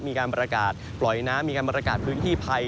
มีการประกาศปล่อยน้ำมีการประกาศพื้นที่ภัย